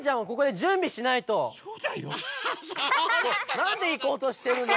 なんでいこうとしてるの？